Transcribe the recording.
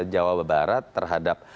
jawa barat terhadap